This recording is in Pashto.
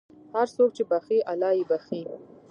هر څوک چې بښي، الله یې بښي.